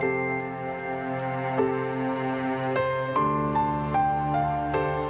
ฟิเศษหูปเป็นเลขแต่สภาพสูตรตัวเป็นกรุง